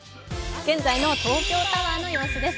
現在の東京タワーの様子です。